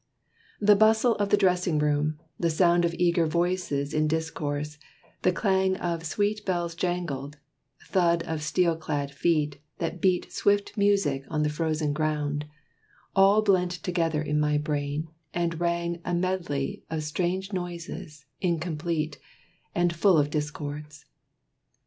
The bustle of the dressing room; the sound Of eager voices in discourse; the clang Of "sweet bells jangled"; thud of steel clad feet That beat swift music on the frozen ground All blent together in my brain, and rang A medley of strange noises, incomplete, And full of discords.